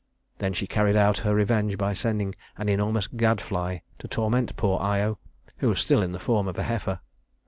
Then she carried out her revenge by sending an enormous gadfly to torment poor Io, who was still in the form of a heifer.